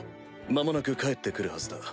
間もなく帰って来るはずだ。